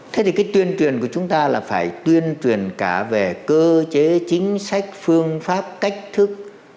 thế thì cái tuyên truyền của chúng ta là phải tuyên truyền cả về cơ chế chính sách phương pháp cách thức